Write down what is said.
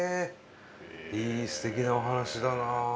いいすてきなお話だなあ。